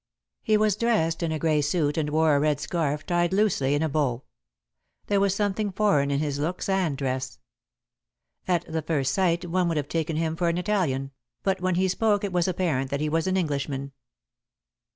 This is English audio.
He was dressed in a grey suit and wore a red scarf tied loosely in a bow. There was something foreign in his looks and dress. At the first sight one would have taken him for an Italian, but when he spoke it was apparent that he was an Englishman.